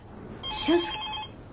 俊介？